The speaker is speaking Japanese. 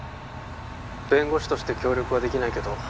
☎弁護士として協力はできないけど